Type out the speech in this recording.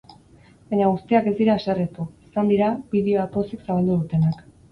Baina guztiak ez dira haserretu, izan dira, bideoa pozik zabaldu dutenak.